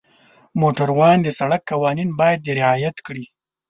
موټروان د سړک قوانین باید رعایت کړي.